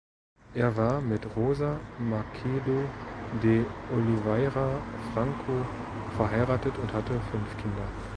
Er war mit Rosa Macedo de Oliveira Franco verheiratet und hatte fünf Kinder.